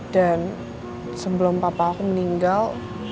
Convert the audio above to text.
sebelum papa aku meninggal